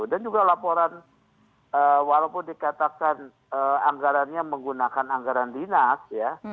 dan juga laporan walaupun dikatakan anggarannya menggunakan anggaran dinas ya